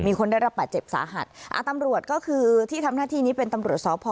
คนได้รับบาดเจ็บสาหัสอ่าตำรวจก็คือที่ทำหน้าที่นี้เป็นตำรวจสพ